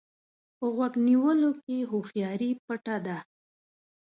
په غوږ نیولو کې هوښياري پټه ده.